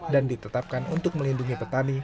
dan ditetapkan untuk melindungi petani